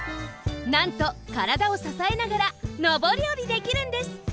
なんとからだをささえながらのぼりおりできるんです！